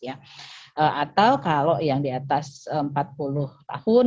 atau kalau yang di atas empat puluh tahun